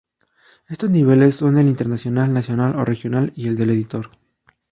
Estos niveles son el internacional, nacional o regional, y el del editor.